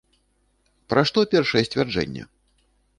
Пра што першае сцвярджэнне?